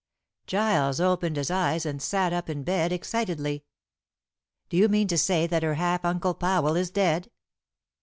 Giles opened his eyes and sat up in bed excitedly. "Do you mean to say that her half uncle Powell is dead?"